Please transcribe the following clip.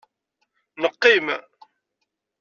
Neqqim.